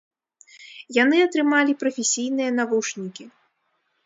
Яны атрымалі прафесійныя навушнікі.